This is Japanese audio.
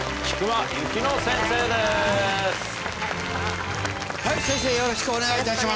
はい先生よろしくお願いいたします。